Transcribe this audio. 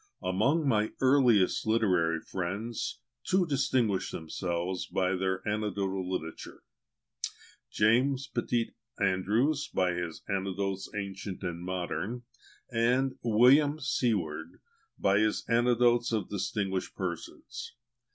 Among my earliest literary friends, two distinguished themselves by their anecdotical literature: JAMES PETIT ANDREWS, by his "Anecdotes, Ancient and Modern," and WILLIAM SEWARD, by his "Anecdotes of Distinguished Persons."